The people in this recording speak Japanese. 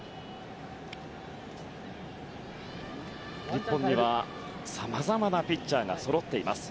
日本にはさまざまなピッチャーがそろっています。